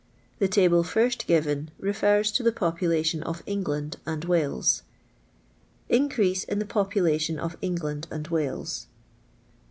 The table first given refers to th* population of England and Wales :— 1 [NCREASB IN THE POPULATION OF ENGLAND AND WALES.